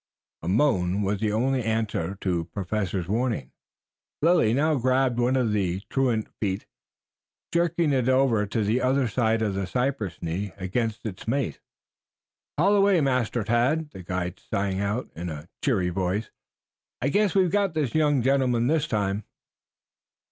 A moan was the only answer to the Professor's warning. Lilly now grabbed one of the truant feet, jerking it over to the other side of the cypress knee against its mate. "Haul away, Master Tad," the guide sang out in a cheery voice. "I guess we've got the young gentleman this time."